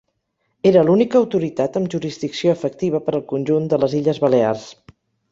Era l'única autoritat amb jurisdicció efectiva per al conjunt de les Illes Balears.